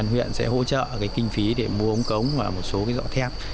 huyện sẽ hỗ trợ kinh phí để mua ống cống và một số giọ thép